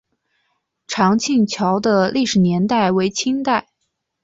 长庆桥的历史年代为清代。